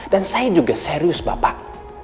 dan saya juga serius bapak